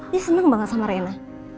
dia senang banget sama reina